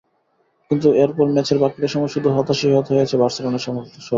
কিন্তু এরপর ম্যাচের বাকিটা সময় শুধু হতাশই হতে হয়েছে বার্সেলোনার সমর্থকদের।